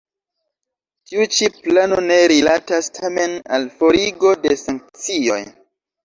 Tiu ĉi plano ne rilatas tamen al forigo de sankcioj.